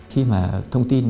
khi mà thông tin là